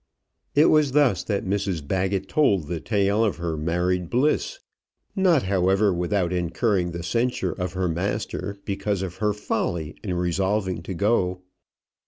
It was thus that Mrs Baggett told the tale of her married bliss, not, however, without incurring the censure of her master because of her folly in resolving to go.